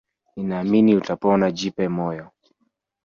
Ninaamini utapona jipe moyo